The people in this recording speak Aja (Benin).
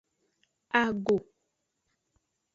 Ago.